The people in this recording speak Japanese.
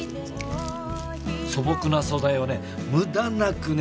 素朴な素材をね